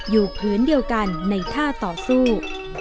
อยู่ผืนเดียวกันในท่าต่อสู้